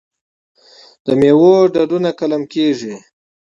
د میوو ډډونه قلم کیږي.